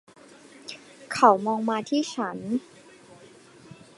เขามองมาที่ฉัน.